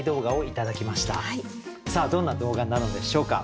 さあどんな動画なのでしょうか。